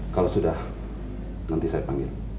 kalau sudah nanti saya panggil